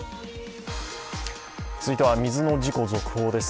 続いては水の事故、続報です。